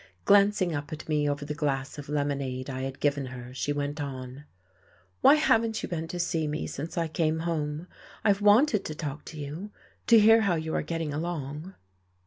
Glancing up at me over the glass of lemonade I had given her she went on: "Why haven't you been to see me since I came home? I've wanted to talk to you, to hear how you are getting along."